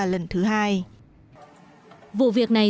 lãnh đạo này